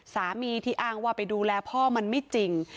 สามีที่อ้างว่าไปดูแลพ่อมันไม่จริง